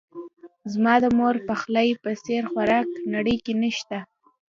زما د مور دپخلی په څیر خوراک نړۍ کې نه شته